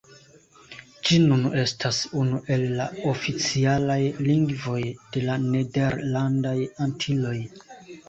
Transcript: Ĝi nun estas unu el la oficialaj lingvoj de la Nederlandaj Antiloj.